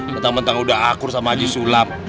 bentang bentang udah akur sama haji sulam